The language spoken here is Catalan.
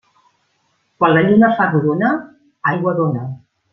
Quan la lluna fa rodona, aigua dóna.